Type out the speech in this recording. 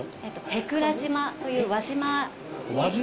舳倉島という輪島輪島？